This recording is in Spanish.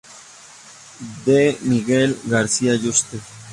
D. Miguel García Yuste.